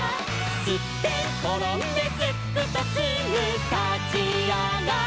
「すってんころんですっくとすぐたちあがる」